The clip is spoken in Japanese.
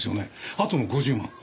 あとの５０万